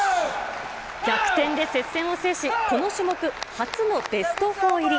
逆転で接戦を制し、この種目、初のベスト４入り。